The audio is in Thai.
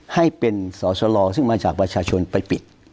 ให้เป็นสอสลซึ่งมาจากประชาชนไปปิด